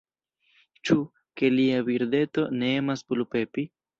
Ĉu, ke lia birdeto ne emas plu pepi?